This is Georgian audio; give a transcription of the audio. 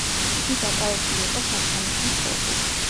იგი დაკავებული იყო საცხენოსნო სპორტით.